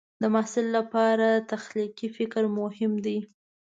د محصل لپاره تخلیقي فکر مهم دی.